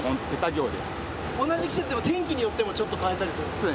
同じ季節でも天気によってもちょっと変えたりするんですか？